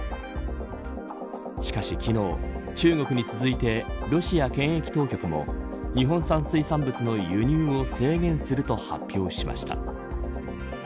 しかし昨日、中国に続いてロシア検疫当局も日本産水産物の輸入を制限すると発表しました。